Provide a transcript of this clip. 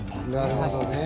なるほどね。